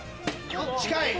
近い！